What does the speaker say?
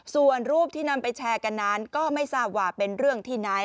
ส่วนรูปที่นำไปแชร์กันนั้นก็ไม่ทราบว่าเป็นเรื่องที่ไหน